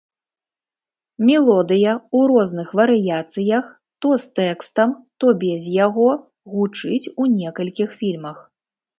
Мелодыя, у розных варыяцыях, то з тэкстам, то без яго, гучыць у некалькіх фільмах.